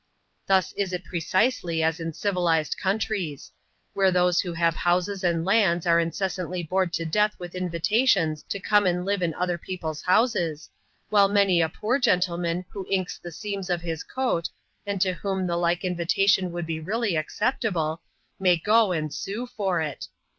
Thus is it precisely as in civilized countries ; where those who have hous^ and lands are incessantly bored to death with in vitations to come and live in other people's houses, while many a poor gentleman who inks the seams of his coat, and to whom the like invitation would be really acceptable, may go and sue for it.